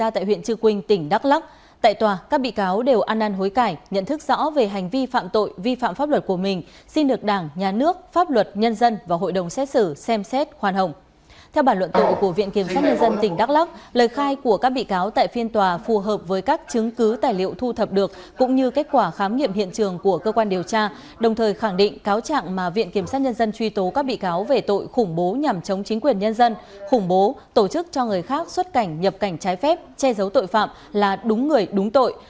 theo bản luận tội của viện kiểm soát nhân dân tỉnh đắk lắc lời khai của các bị cáo tại phiên tòa phù hợp với các chứng cứ tài liệu thu thập được cũng như kết quả khám nghiệm hiện trường của cơ quan điều tra đồng thời khẳng định cáo trạng mà viện kiểm soát nhân dân truy tố các bị cáo về tội khủng bố nhằm chống chính quyền nhân dân khủng bố tổ chức cho người khác xuất cảnh nhập cảnh trái phép che giấu tội phạm là đúng người đúng tội